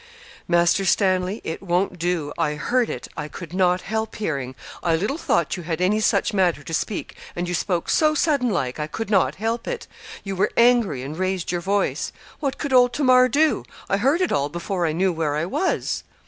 'Master Stanley, it won't do. I heard it I could not help hearing. I little thought you had any such matter to speak and you spoke so sudden like, I could not help it. You were angry, and raised your voice. What could old Tamar do? I heard it all before I knew where I was.'